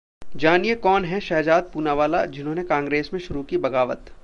जानिए कौन हैं शहजाद पूनावाला, जिन्होंने कांग्रेस में शुरू की बगावत